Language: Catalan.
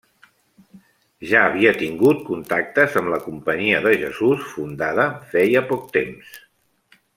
Ja havia tingut contactes amb la Companyia de Jesús, fundada feia poc temps.